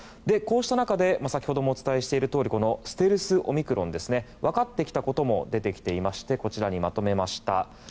こうした中で先ほどもお伝えしているとおりステルスオミクロン分かってきたことも出てきておりこちらにまとめました。